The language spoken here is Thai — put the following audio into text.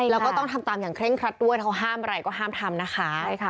แล้วก็ต้องทำตามอย่างเคร่งครัดด้วยเขาห้ามอะไรก็ห้ามทำนะคะใช่ค่ะ